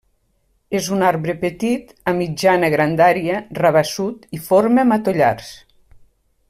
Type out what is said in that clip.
És un arbre petit a mitjana grandària, rabassut i forma matollars.